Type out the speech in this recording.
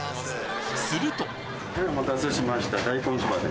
するとはいお待たせしました。